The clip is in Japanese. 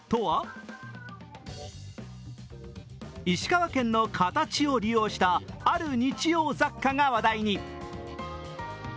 石川県の形を利用したある日用雑貨が話題に。